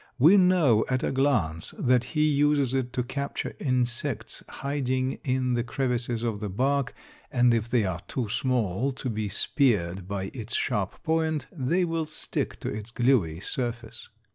We know at a glance that he uses it to capture insects hiding in the crevices of the bark, and if they are too small to be speared by its sharp point, they will stick to its gluey surface.